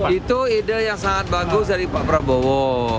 itu ide yang sangat bagus dari pak prabowo